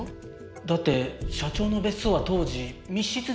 だって社長の別荘は当時密室でしたから。